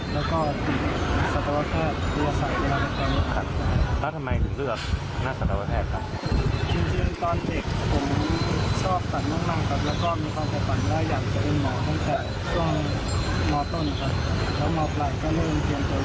แล้วมอบหลักก็เริ่มเตรียมตัวอีกแหล่ง